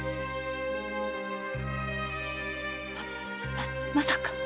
ままさか。